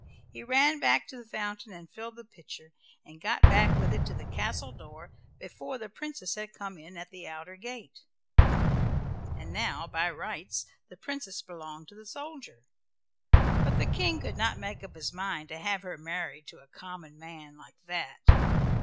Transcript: He ran back to the fountain and filled the pitcher, and got back with it to the castle door before the Princess had come in at the outer gate. And now by rights the Princess belonged to the soldier, but the King could not make up his mind to have her married to a common man like that.